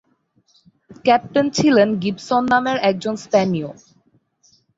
Captain ছিলেন "Gibson" নামের একজন স্প্যানীয়।